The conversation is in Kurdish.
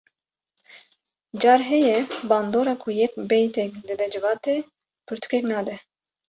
Car heye bandora ku yek beytek dide civatê pitûkek nade